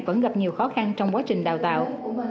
vẫn gặp nhiều khó khăn trong quá trình đào tạo